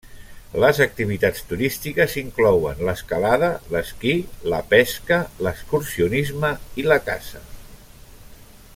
Les activitats turístiques inclouen l'escalada, l'esquí, la pesca, l'excursionisme i la caça.